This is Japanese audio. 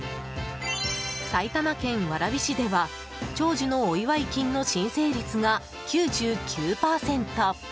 埼玉県蕨市では長寿のお祝い金の申請率が９９％。